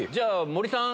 森さん